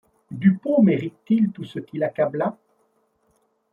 Dupont mérite-t-il tout ce qui l'accabla